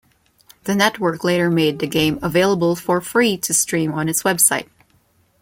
The network later made the game available for free to stream on its website.